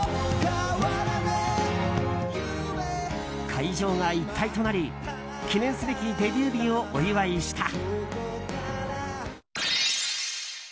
会場が一体となり、記念すべきデビュー日をお祝いした。